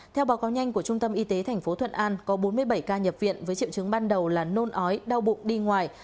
theo báo cáo nhanh của trung tâm y tế tp thuận an có bốn mươi bảy ca nhập viện với triệu chứng ban đầu là nôn ói đau bụng đi ngoài